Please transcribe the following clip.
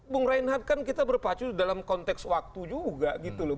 bung reinhard kan kita berpacu dalam konteks waktu juga gitu loh